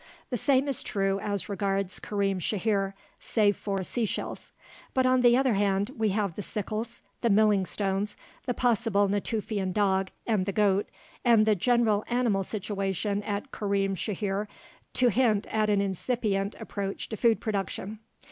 The same is true as regards Karim Shahir, save for sea shells. But on the other hand, we have the sickles, the milling stones, the possible Natufian dog, and the goat, and the general animal situation at Karim Shahir to hint at an incipient approach to food production.